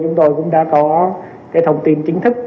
chúng tôi cũng đã có cái thông tin chính thức